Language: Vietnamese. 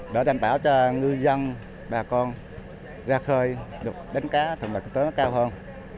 để đảm bảo cho ngư dân bà con ra khơi được đến cá thường là kinh tế nó cao hơn